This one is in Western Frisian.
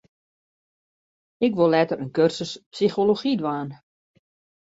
Ik wol letter in kursus psychology dwaan.